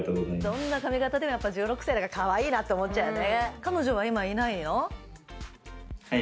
どんな髪形でもやっぱ１６歳だからかわいいなって思っちゃうよね